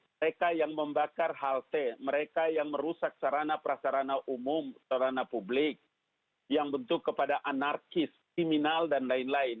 mereka yang membakar halte mereka yang merusak sarana prasarana umum sarana publik yang bentuk kepada anarkis kriminal dan lain lain